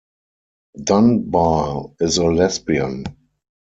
Dunbar is a lesbian.